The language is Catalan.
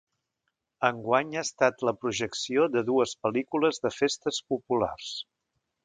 Enguany ha estat la projecció de dues pel·lícules de festes populars.